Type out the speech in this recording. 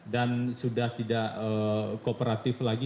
dan sudah tidak kooperatif lagi